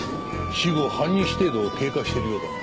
死後半日程度経過してるようだが。